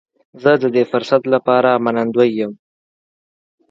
زه د دې فرصت لپاره منندوی یم.